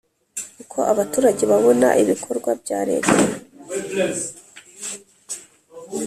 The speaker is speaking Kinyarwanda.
Uko abaturage babona ibikorwa bya leta